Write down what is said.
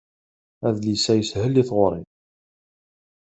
Adlis-a yeshel i tɣuri.